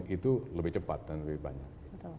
itu lebih cepat dan lebih banyak